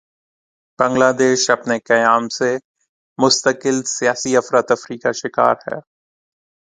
بنگلہ دیش اپنے قیام سے مستقل سیاسی افراتفری کا شکار ہے